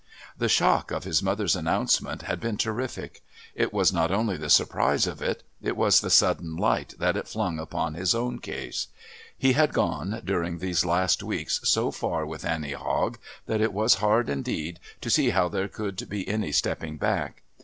The shock of his mother's announcement had been terrific. It was not only the surprise of it, it was the sudden light that it flung upon his own case. He had gone, during these last weeks, so far with Annie Hogg that it was hard indeed to see how there could be any stepping back.